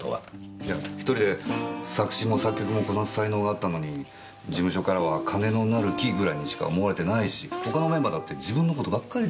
いや１人で作詞も作曲もこなす才能があったのに事務所からは金のなる木ぐらいにしか思われてないし他のメンバーだって自分の事ばっかりで。